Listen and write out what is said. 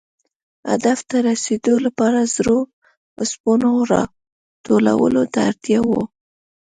هدف ته رسېدو لپاره زړو اوسپنو را ټولولو ته اړتیا وه.